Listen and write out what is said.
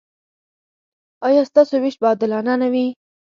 ایا ستاسو ویش به عادلانه نه وي؟